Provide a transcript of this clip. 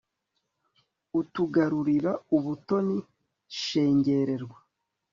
utugarurira ubutoni, shengererwa